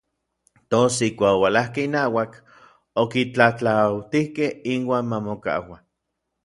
Tos ijkuak oualajkej inauak, okitlatlautijkej inuan ma mokaua.